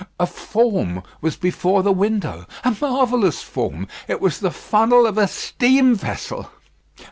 A form was before the window; a marvellous form. It was the funnel of a steam vessel.